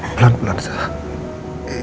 pelan pelan elsa pelan pelan elsa